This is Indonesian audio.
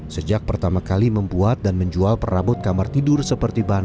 sejak pertama kali membuat dan menjual perabot kamar tidur seperti bahan